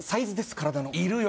体のいるよ